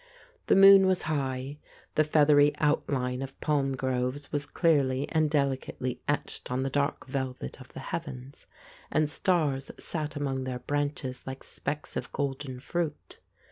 The moon was high, the feathery outline of palm groves was clearly and deli cately etched on the dark velvet of the heavens, and stars sat among their branches like specks of golden fruit.